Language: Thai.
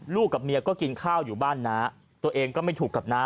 กับเมียก็กินข้าวอยู่บ้านน้าตัวเองก็ไม่ถูกกับน้า